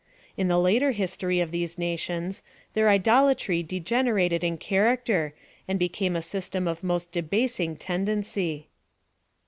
In the later history of these nations, their idjlatry degen erated in character, and became a system of mosi debasing tendency.